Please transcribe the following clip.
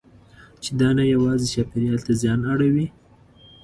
چې دا نه یوازې چاپېریال ته زیان اړوي.